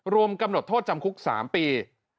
รวมกำหนดโทษจำคุก๓ปี